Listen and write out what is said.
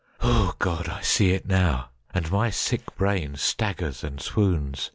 O God, I see it now, and my sick brainStaggers and swoons!